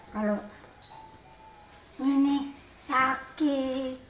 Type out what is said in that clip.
kalau gini sakit